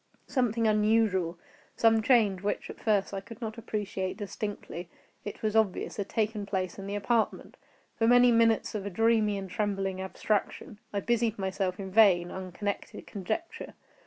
Something unusual—some change which, at first, I could not appreciate distinctly—it was obvious, had taken place in the apartment. For many minutes of a dreamy and trembling abstraction, I busied myself in vain, unconnected conjecture.